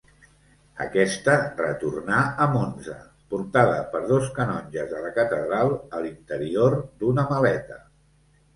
Aquesta retornà a Monza, portada per dos canonges de la catedral a l'interior d'una maleta.